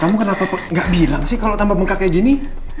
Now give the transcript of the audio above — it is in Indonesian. kamu kenapa gak bilang sih kalau tambah mengkak kayak gini